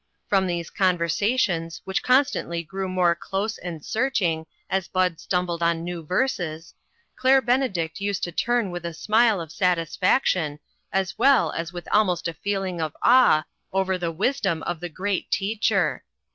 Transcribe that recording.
From these conver sations, which constantly grew more close and searching as Bud stumbled on new verses, Claire Benedict used to turn with a smile of satisfaction, as well as with almost a feeling of awe, over the wisdom of the Great Teacher.